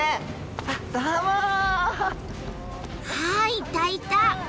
ああいたいた！